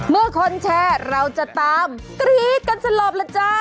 เมื่อคนแชร์เราจะตามกรี๊ดกันสลบละจ้า